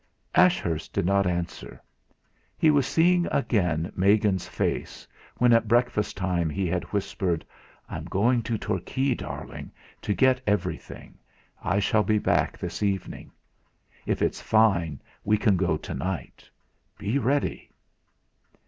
Ashurst did not answer. He was seeing again Megan's face, when at breakfast time he had whispered: "I'm going to Torquay, darling, to get everything; I shall be back this evening. If it's fine we can go to night. Be ready."